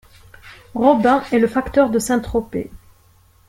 Robin est le facteur de Saint-Tropez.